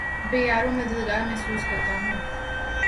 بے یارومددگار محسوس کرتا ہوں